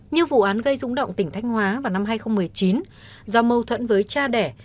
như vụ án gây rúng động tỉnh thanh hóa vào năm hai nghìn một mươi chín do mâu thuẫn với cha đẻ